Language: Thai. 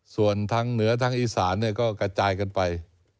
ส่วนทั้งเหนือทั้งอีสานก็กระจายกันไป